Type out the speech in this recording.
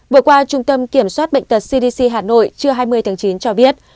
vừa qua trung tâm kiểm soát bệnh tật cdc hà nội trưa hai mươi tháng chín cho biết